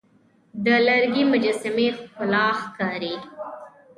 د لرګي مجسمې ښکلي ښکاري.